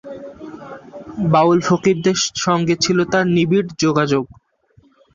বাউল-ফকিরদের সঙ্গে তার ছিল নিবিড় যোগাযোগ।